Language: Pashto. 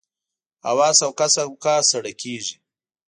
هوا سوکه سوکه سړه کېږي